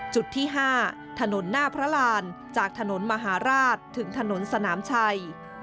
จุดที่๕ถนนหน้าพระรานจากถนนมหาราชถึงถนนสนามชัย